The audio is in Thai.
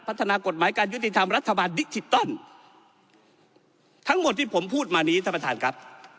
กฎหมายการยุติธรรมรัฐบาลดิจิตอลทั้งหมดที่ผมพูดมานี้ท่านประธานครับ